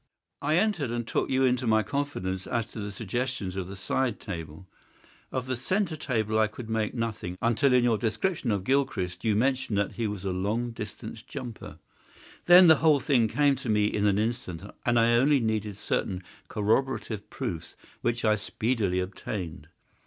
"I entered and I took you into my confidence as to the suggestions of the side table. Of the centre table I could make nothing, until in your description of Gilchrist you mentioned that he was a long distance jumper. Then the whole thing came to me in an instant, and I only needed certain corroborative proofs, which I speedily obtained.